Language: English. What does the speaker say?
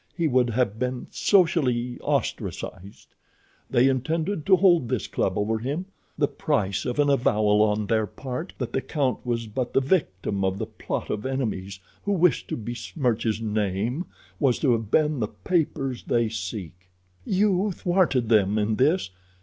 He would have been socially ostracized. They intended to hold this club over him—the price of an avowal on their part that the count was but the victim of the plot of enemies who wished to besmirch his name was to have been the papers they seek. "You thwarted them in this.